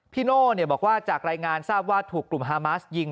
โน่บอกว่าจากรายงานทราบว่าถูกกลุ่มฮามาสยิง